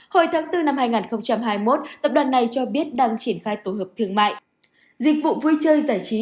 hồi tháng bốn năm hai nghìn hai mươi một tập đoàn này cho biết đang triển khai tổ hợp thương mại dịch vụ vui chơi giải trí